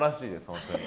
本当に。